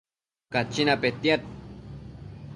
Cachina petiad